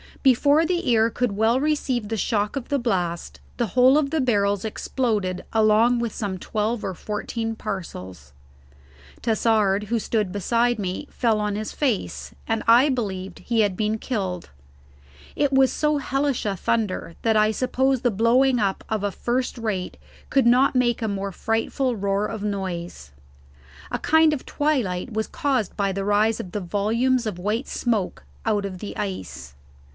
Before the ear could well receive the shock of the blast the whole of the barrels exploded along with some twelve or fourteen parcels. Tassard, who stood beside me, fell on his face, and I believed he had been killed. It was so hellish a thunder that I suppose the blowing up of a first rate could not make a more frightful roar of noise. A kind of twilight was caused by the rise of the volumes of white smoke out of the ice.